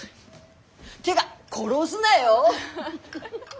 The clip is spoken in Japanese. てが殺すなよ。